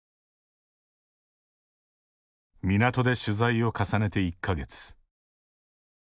港で取材を重ねて１か月。